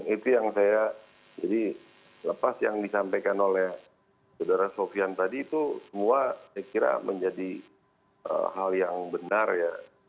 itu yang saya jadi lepas yang disampaikan oleh saudara sofian tadi itu semua saya kira menjadi hal yang benar ya